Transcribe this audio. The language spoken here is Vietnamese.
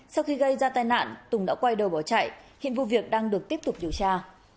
sau khi gây ra tai nạn tùng đã quay đầu bỏ chạy hiện vụ việc đang được tiếp tục điều tra